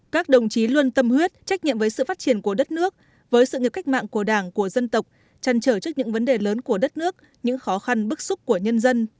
các đồng chí luôn tâm huyết trách nhiệm với sự phát triển của đất nước với sự nghiệp cách mạng của đảng của dân tộc trăn trở trước những vấn đề lớn của đất nước những khó khăn bức xúc của nhân dân